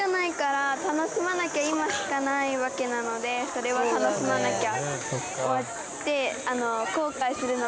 それは楽しまなきゃ。